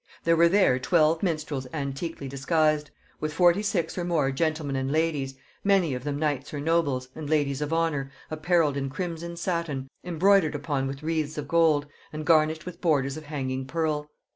There were there twelve minstrels anticly disguised; with forty six or more gentlemen and ladies, many of them knights or nobles, and ladies of honor, apparelled in crimson sattin, embroidered upon with wreaths of gold, and garnished with borders of hanging pearl.